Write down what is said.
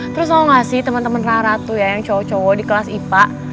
terus tau gak sih temen temen rara tuh ya yang cowok cowok di kelas ipa